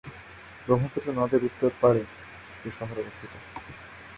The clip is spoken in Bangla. ব্রহ্মপুত্র নদের উত্তর পারে এই শহর অবস্থিত।